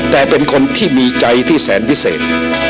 แต่เป็นคนที่มีใจที่แสนวิเศษ